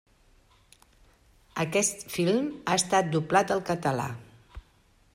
Aquest film ha estat doblat al català.